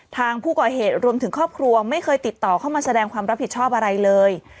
ทางผู้ก่อเหตุรวมถึงครอบครัวไม่เคยติดต่อเข้ามาแสดงความรับผิดชอบอะไรเลย